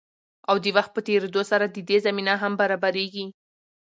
او د وخت په تېريدو سره د دې زمينه هم برابريږي.